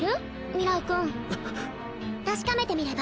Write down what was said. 明日君確かめてみれば？